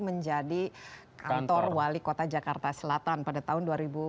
menjadi kantor wali kota jakarta selatan pada tahun dua ribu dua puluh